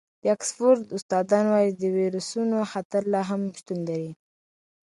د اکسفورډ استادان وايي چې د وېروسونو خطر لا هم شتون لري.